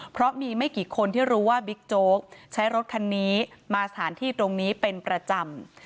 เพราะมีไม่กี่คนที่รู้ว่าบิ๊กโจ๊กใช้รถคันนี้มาสถานที่ตรงนี้เป็นประจำ